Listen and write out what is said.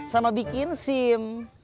sama bikin sim